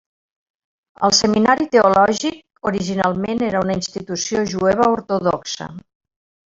El seminari teològic, originalment era una institució jueva ortodoxa.